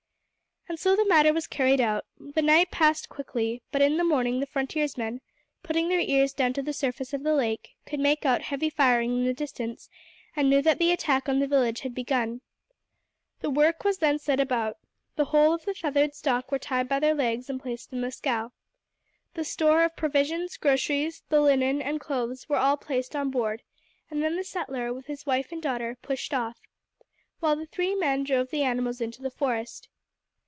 And so the matter was carried out. The night passed quietly, but in the morning the frontiersmen, putting their ears down to the surface of the lake, could make out heavy firing in the distance, and knew that the attack on the village had begun. The work was then set about. The whole of the feathered stock were tied by their legs and placed in the scow. The store of provisions, groceries, the linen, and clothes were all placed on board, and then the settler, with his wife and daughter, pushed off, while the three men drove the animals into the forest.